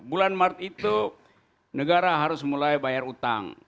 bulan maret itu negara harus mulai bayar utang